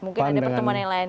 mungkin ada pertemuan yang lain